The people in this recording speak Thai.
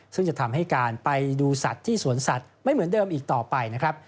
ซึ่งจะทำให้การไปดูสัตว์ที่สวนสัตว์ไม่เหมือนเดิมอีกต่อไปนะครับ